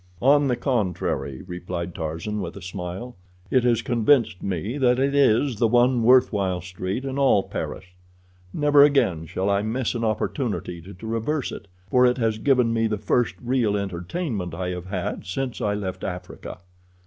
"On the contrary," replied Tarzan, with a smile, "it has convinced me that it is the one worth while street in all Paris. Never again shall I miss an opportunity to traverse it, for it has given me the first real entertainment I have had since I left Africa."